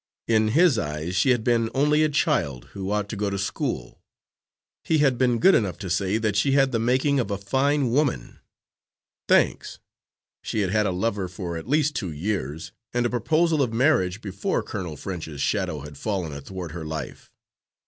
In his eyes she had been only a child, who ought to go to school. He had been good enough to say that she had the making of a fine woman. Thanks! She had had a lover for at least two years, and a proposal of marriage before Colonel French's shadow had fallen athwart her life.